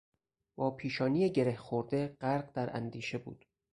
با پیشانی گره خورده غرق در اندیشه بود.